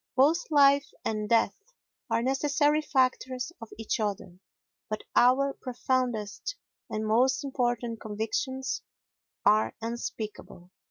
Both life and death are necessary factors of each other. But our profoundest and most important convictions are unspeakable.